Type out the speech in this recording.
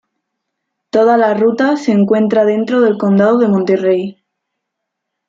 Toda la ruta se encuentra dentro del condado de Monterrey.